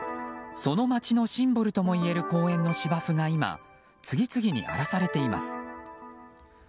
その街のシンボルともいえる公園の芝生が今次々に荒らされています。